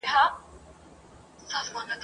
لا درته ګوري ژوري کندي !.